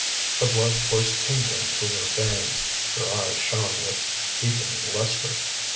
The blood coursed tingling through her veins. Her eyes shone with deepened lustre.